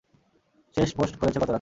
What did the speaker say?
শেষ পোস্ট করেছে গতরাতে।